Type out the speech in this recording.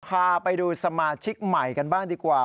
พาไปดูสมาชิกใหม่กันบ้างดีกว่า